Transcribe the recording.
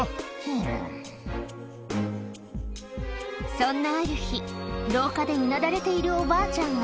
そんなある日、廊下でうなだれているおばあちゃんが。